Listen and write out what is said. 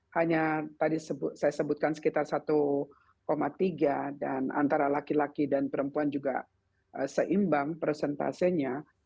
hanya tadi saya sebutkan sekitar satu tiga dan antara laki laki dan perempuan juga seimbang prosentasenya